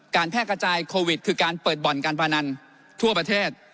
แพร่กระจายโควิดคือการเปิดบ่อนการพนันทั่วประเทศ